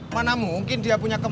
mana mungkin dia punya kemampuan